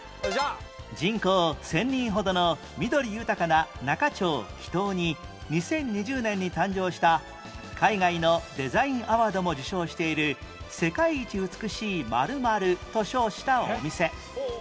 人口１０００人ほどの緑豊かな那賀町木頭に２０２０年に誕生した海外のデザインアワードも受賞している「世界一美しい○○」と称したお店